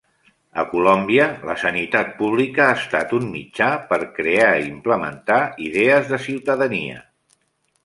A Colòmbia, la sanitat pública ha estat un mitjà per crear i implementar idees de ciutadania.